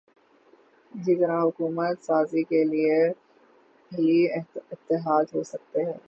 اسی طرح حکومت سازی کے لیے بھی اتحاد ہو سکتے ہیں۔